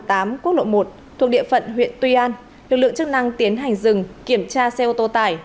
tại km một nghìn ba trăm một mươi tám quốc lộ một thuộc địa phận huyện tuy an lực lượng chức năng tiến hành rừng kiểm tra xe ô tô tải